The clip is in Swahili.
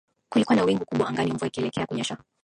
Kulikuwa na wingu kubwa angani mvua ikielekea kunyesha